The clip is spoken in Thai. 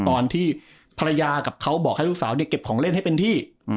ตอนที่ภรรยากับเขาบอกให้ลูกสาวเนี่ยเก็บของเล่นให้เต็มที่